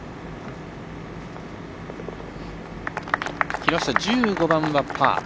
木下、１５番はパー。